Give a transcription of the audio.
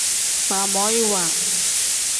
Baamoyiwa.